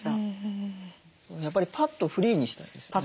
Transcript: やっぱりパッドをフリーにしたいですね。